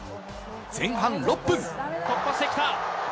前半６分。